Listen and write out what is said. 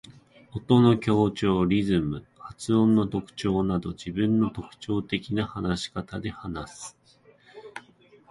音の強調、リズム、発音の特徴など自分の特徴的な話し方で話す。